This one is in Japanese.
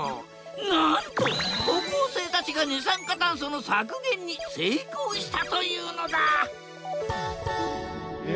なんと高校生たちが二酸化炭素の削減に成功したというのだえ。